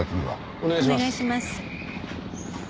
お願いします。